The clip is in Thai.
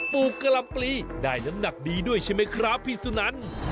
ลูกกะลำปลีได้น้ำหนักดีด้วยใช่ไหมครับพี่สุนัน